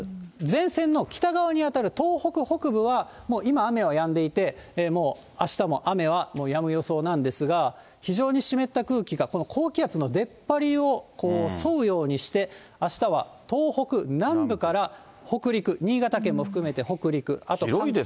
前線の北側に当たる東北北部は、もう今、雨はやんでいて、もうあしたも雨はやむ予想なんですが、非常に湿った空気が、この高気圧の出っ張りを沿うようにして、あしたは東北南部から北陸、新潟県も含めて北陸。